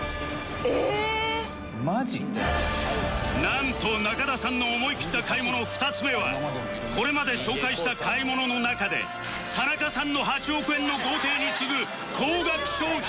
なんと中田さんの思いきった買い物２つ目はこれまで紹介した買い物の中で田中さんの８億円の豪邸に次ぐ高額商品